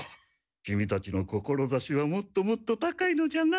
キミたちの志はもっともっと高いのじゃな？